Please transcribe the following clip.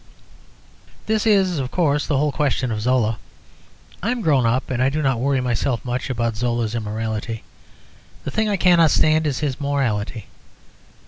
This is, of course, the whole question of Zola. I am grown up, and I do not worry myself much about Zola's immorality. The thing I cannot stand is his morality.